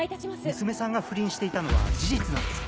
・娘さんが不倫していたのは事実なんですか？